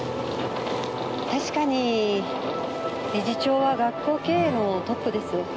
確かに理事長は学校経営のトップです。